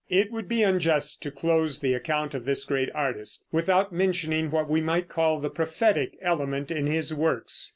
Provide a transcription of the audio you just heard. It would be unjust to close the account of this great artist without mentioning what we might call the prophetic element in his works.